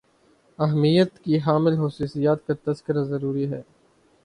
اہمیت کی حامل خصوصیات کا تذکرہ ضروری ہے